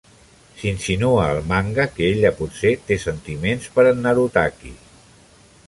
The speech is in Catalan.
S'insinua al manga que ella potser té sentiments per en Narutaki.